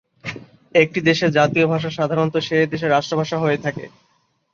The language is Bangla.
একটি দেশের জাতীয় ভাষা সাধারণত সে দেশের রাষ্ট্রভাষা হয়ে থাকে।